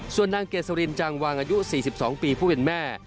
ส่วนนางเกษรินจังวางอายุ๔๒ปีผู้เป็นแม่